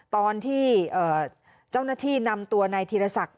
ตอนที่เจ้าหน้าที่นำตัวนายธีรศักดิ